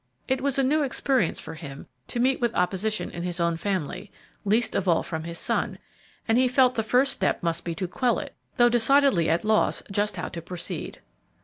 It was a new experience for him to meet with opposition in his own family, least of all from his son, and he felt the first step must be to quell it, though decidedly at loss just how to proceed.